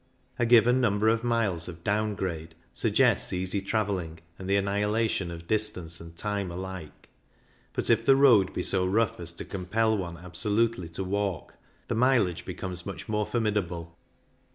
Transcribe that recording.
A given number of miles of down grade suggests easy travelling and the annihilation of distance and time alike; but if the road be so rough as to compel one absolutely to walk, the mileage becomes much more formidable.